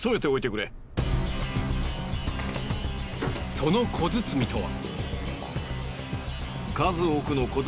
その小包とは。